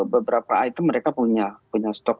beberapa item mereka punya stok